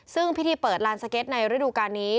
ซึ่งพิธีเปิดลานสเก็ตในฤดูการนี้